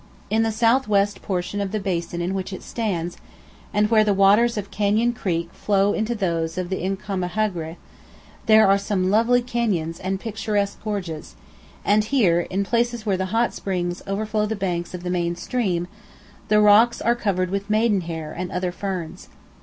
In the south west portion of the basin in which it stands, and where the waters of Canyon Creek flow into those of the Uncompaghre, there are some lovely canyons and picturesque gorges, and here, in places where the hot springs overflow the banks of the main stream, the rocks are covered with maiden hair and other ferns.